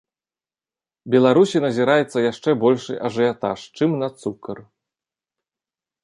Беларусі назіраецца яшчэ большы ажыятаж, чым на цукар.